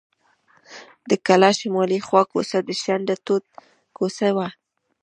د کلا شمالي خوا کوڅه د شنډه توت کوڅه وه.